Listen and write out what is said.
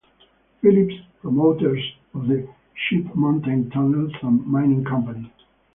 Phillips, promoters of the Sheep Mountain Tunnel and Mining Company.